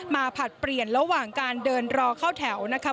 ผลัดเปลี่ยนระหว่างการเดินรอเข้าแถวนะครับ